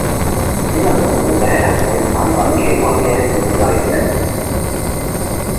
請問王小姐係唔係產品企劃嘅負責人呢？